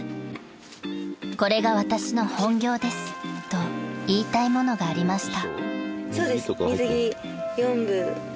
「これが私の本業です」と言いたいものがありました］